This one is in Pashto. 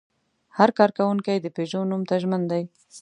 هر کارکوونکی د پيژو نوم ته ژمن دی.